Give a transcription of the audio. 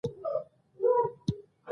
بایسکل د انرژۍ سپمول اسانوي.